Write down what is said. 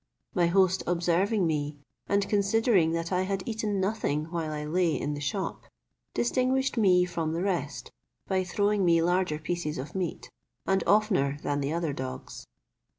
My host observing me, and considering that I had eaten nothing while I lay in the shop, distinguished me from the rest, by throwing me larger pieces of meat, and oftener than the other dogs.